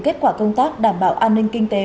kết quả công tác đảm bảo an ninh kinh tế